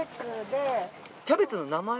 キャベツの名前？